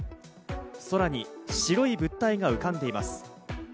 空に白い物体が浮かんでいます。